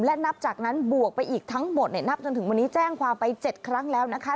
และนับจากนั้นบวกไปอีกทั้งหมดนับจนถึงวันนี้แจ้งความไป๗ครั้งแล้วนะคะ